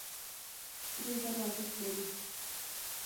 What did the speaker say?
سرو زرو ارزښت لري.